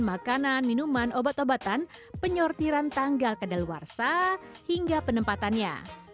makanan minuman obat obatan penyortiran tanggal kedaluarsa hingga penempatannya